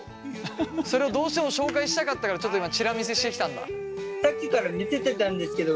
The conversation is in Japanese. それをどうしても紹介したかったからちょっと今チラ見せしてきたんだ。